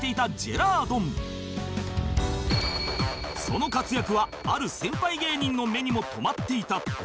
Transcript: その活躍はある先輩芸人の目にも留まっていた